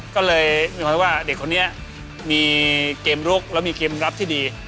ก็เลยนึกว่าเด็กคนนี้มีเกมลุกแล้วมีเกมรับที่ดี